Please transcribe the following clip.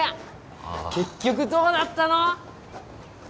ああ結局どうなったの？